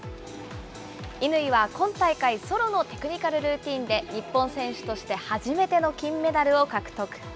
乾は今大会、ソロのテクニカルルーティンで日本選手として初めての金メダルを獲得。